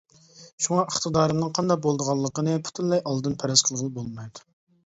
شۇڭا ئىقتىدارىمنىڭ قانداق بولىدىغانلىقىنى پۈتۈنلەي ئالدىن پەرەز قىلغىلى بولمايدۇ.